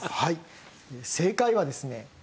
正解はですね